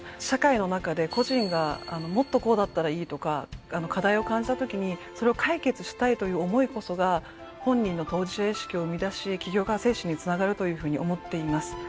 社会の中で個人が「もっとこうだったらいい」とか課題を感じたときにそれを解決したいという思いこそが本人の当事者意識を生みだし起業家精神につながるというふうに思っています。